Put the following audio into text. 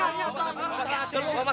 mas saya mau pergi mas